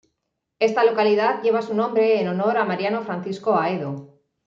Esta localidad lleva su nombre en honor a Mariano Francisco Haedo.